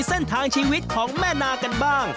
เส้นทางชีวิตของแม่นากันบ้าง